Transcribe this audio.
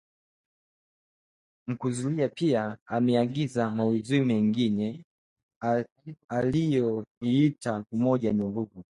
Mukuthuria pia ameangazia maudhui mengine aliyoyaita umoja ni nguvu